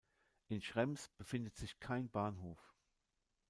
In Schrems befindet sich kein Bahnhof.